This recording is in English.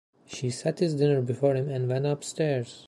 She set his dinner before him, and went upstairs.